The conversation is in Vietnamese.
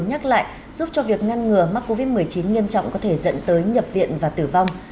nhắc lại giúp cho việc ngăn ngừa mắc covid một mươi chín nghiêm trọng có thể dẫn tới nhập viện và tử vong